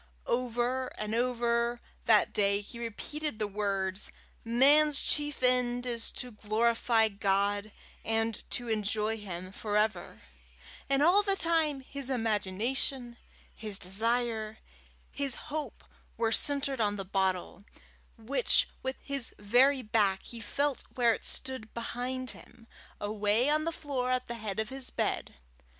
Over and over that day he repeated the words, "Man's chief end is to glorify God, and to enjoy Him for ever," and all the time his imagination, his desire, his hope, were centred on the bottle, which with his very back he felt where it stood behind him, away on the floor at the head of his bed.